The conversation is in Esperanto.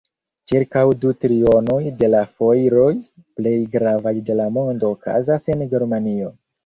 Ĉirkaŭ du trionoj de la fojroj plej gravaj de la mondo okazas en Germanio.